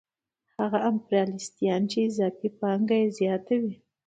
هغه امپریالیستان چې اضافي پانګه یې زیاته وي